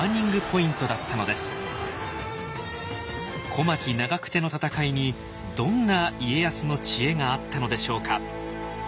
小牧・長久手の戦いにどんな家康の知恵があったのでしょうか。